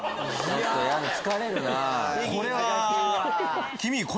疲れるな。